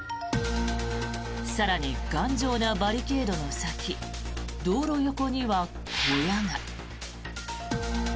更に、頑丈なバリケードの先道路横には小屋が。